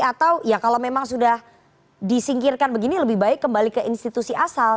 atau ya kalau memang sudah disingkirkan begini lebih baik kembali ke institusi asal